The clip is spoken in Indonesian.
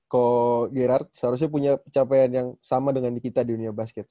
koko gerard seharusnya punya pencapaian yang sama dengan kita di dunia basket